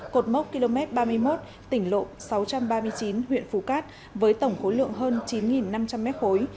cột mốc km ba mươi một tỉnh lộ sáu trăm ba mươi chín huyện phú cát với tổng khối lượng hơn chín năm trăm linh mét khối